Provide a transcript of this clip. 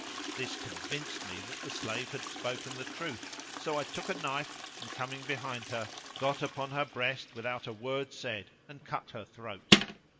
This convinced me that the slave had spoken the truth, so I took a knife and coming behind her got upon her breast without a word said and cut her throat.